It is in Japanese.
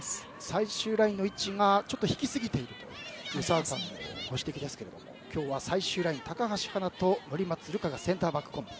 最終ラインの位置がちょっと引きすぎていると澤さんのご指摘ですが今日は最終ライン高橋はなと乗松瑠華がセンターバックコンビ。